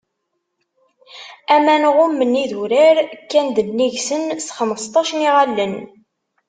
Aman ɣummen idurar, kkan-d nnig-sen s xemseṭṭac n iɣallen.